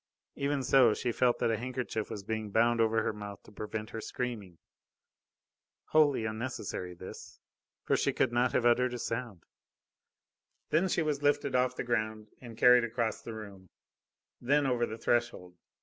Even so, she felt that a handkerchief was being bound over her mouth to prevent her screaming. Wholly unnecessary this, for she could not have uttered a sound. Then she was lifted off the ground and carried across the room, then over the threshold.